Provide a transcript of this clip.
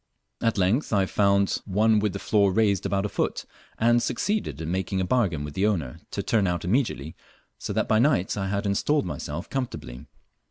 At length I found one with the floor raised about a foot, and succeeded in making a bargain with the owner to turn out immediately, so that by night I had installed myself comfortably.